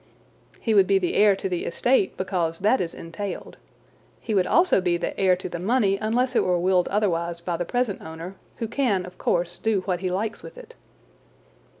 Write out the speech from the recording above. "He would be the heir to the estate because that is entailed. He would also be the heir to the money unless it were willed otherwise by the present owner, who can, of course, do what he likes with it."